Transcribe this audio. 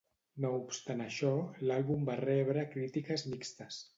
No obstant això, l'àlbum va rebre crítiques mixtes.